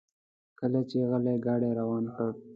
کله چې علي ګاډي روان کړ.